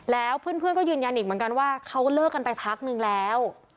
แล้วเพื่อนก็ยืนยันอีกเหมือนกันว่าเขาเลิกกันไปพักนึงแล้ว